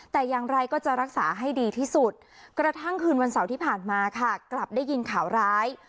แต่อย่างไรก็จะรักษาให้ดีที่สุดกระทั่งคืนวันเสาร์ที่ผ่านมาค่ะกลับได้ยินข่าวร้าย